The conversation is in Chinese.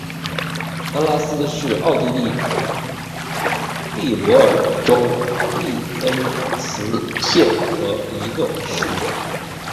安拉斯是奥地利蒂罗尔州利恩茨县的一个市镇。